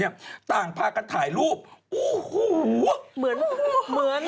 น้ำตาเงี่ยด้วยที่เห็นปัจราเงี้ยนชุดหัวเนี่ย